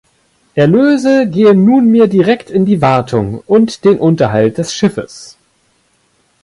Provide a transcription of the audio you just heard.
Erlöse gehen nunmehr direkt in die Wartung und den Unterhalt des Schiffes.